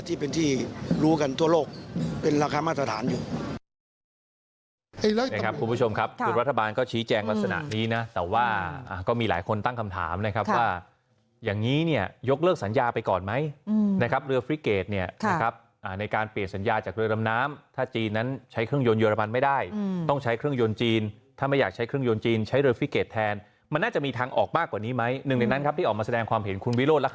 ที่เป็นที่รู้กันทั่วโลกเป็นราคามาตรฐานอยู่